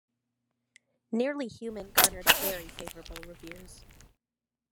"Nearly Human" garnered very favorable reviews.